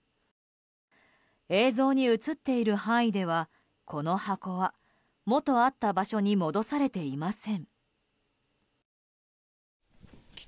映像に映っている範囲ではこの箱は、元あった場所に戻されていません。